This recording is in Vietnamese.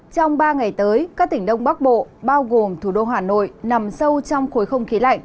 trong ba ngày tới các tỉnh đông bắc bộ bao gồm thủ đô hà nội nằm sâu trong khối không khí lạnh